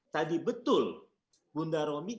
tadi betul bunda romi